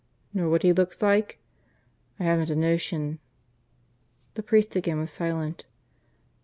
"Nor what he looks like?" "I haven't a notion." The priest again was silent.